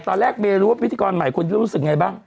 ตอนแรกมารู้ว่าพิธีกรใหม่คุณรู้สึกยังไงบ้าง